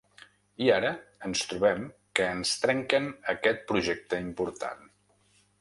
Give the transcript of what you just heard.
I ara ens trobem que ens trenquen aquest projecte important.